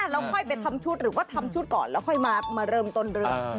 แล้วค่อยไปทำชุดหรือว่าทำชุดก่อนแล้วค่อยมาเริ่มต้นเรื่อง